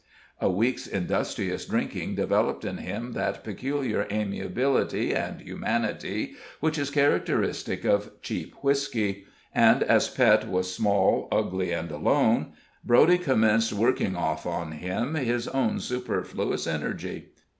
A week's industrious drinking developed in him that peculiar amiability and humanity which is characteristic of cheap whisky, and as Pet was small, ugly and alone, Broady commenced working off on him his own superfluous energy.